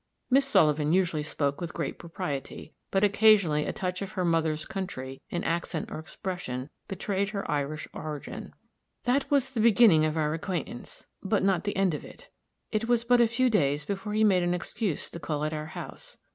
(Miss Sullivan usually spoke with great propriety, but occasionally a touch of her mother's country, in accent or expression, betrayed her Irish origin.) "That was the beginning of our acquaintance, but not the end of it. It was but a few days before he made an excuse to call at our house.